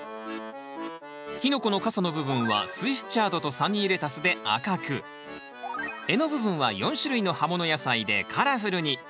キノコの傘の部分はスイスチャードとサニーレタスで赤く柄の部分は４種類の葉もの野菜でカラフルに。